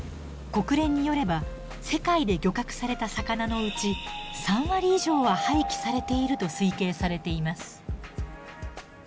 国連によれば世界で漁獲された魚のうち３割以上は廃棄されていると推計されています。